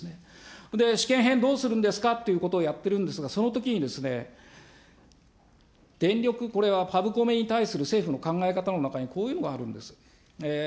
それで試験片どうするんですかということをやっているんですが、そのときに、電力、これはパブコメに対する政府の考え方の中に、こういうのがあるんです。